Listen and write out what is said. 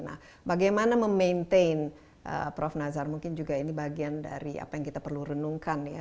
nah bagaimana memaintain prof nazar mungkin juga ini bagian dari apa yang kita perlu renungkan ya